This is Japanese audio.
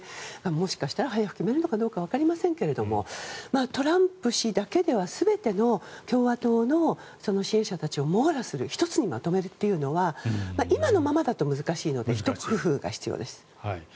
もしかしたら早く決めるのかわかりませんがトランプ氏だけでは全ての共和党の支持者たちを網羅する、１つにまとめるのは今のままだと難しいので工夫が必要です。